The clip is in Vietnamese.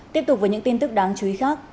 tiếp tục với những tin tức đáng chú ý khác